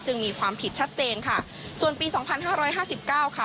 มีความผิดชัดเจนค่ะส่วนปีสองพันห้าร้อยห้าสิบเก้าค่ะ